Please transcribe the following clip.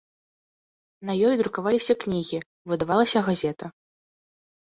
На ёй друкаваліся кнігі, выдавалася газета.